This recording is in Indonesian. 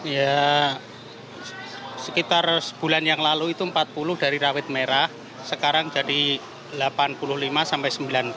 ya sekitar sebulan yang lalu itu empat puluh dari rawit merah sekarang jadi delapan puluh lima sampai sembilan puluh